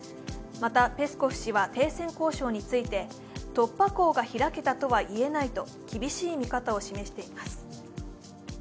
またペスコフ氏は停戦交渉について突破口が開けたとは言えないと厳しい見方を示しています。